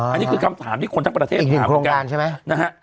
อันนี้คือคำถามที่คนทั้งประเทศอีกหนึ่งโครงการใช่ไหมนะฮะฮะ